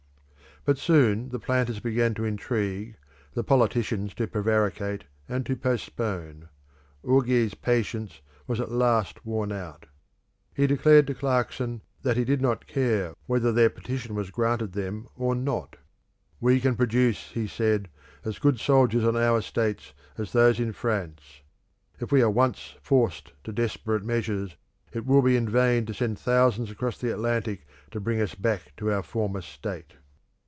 But soon the planters began to intrigue, the politicians to prevaricate, and to postpone. Ogé's patience was at last worn out; he declared to Clarkson that he did not care whether their petition was granted them or not. "We can produce," he said, "as good soldiers on our estates as those in France. If we are once forced to desperate measures, it will be in vain to send thousands across the Atlantic to bring us back to our former state."